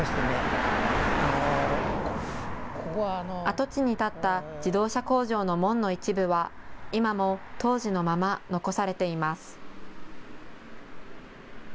跡地にたった自動車工場の門の一部は今も当時のまま残されています。